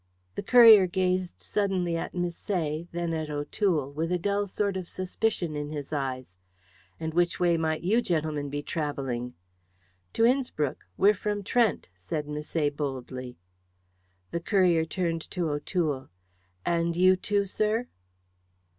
The courier gazed suddenly at Misset, then at O'Toole, with a dull sort of suspicion in his eyes. "And which way might you gentlemen be travelling?" "To Innspruck; we're from Trent," said Misset, boldly. The courier turned to O'Toole. "And you too, sir?"